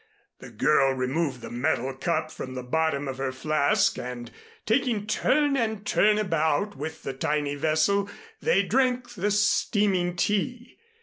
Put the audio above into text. The girl removed the metal cup from the bottom of her flask and taking turn and turn about with the tiny vessel they drank the steaming tea.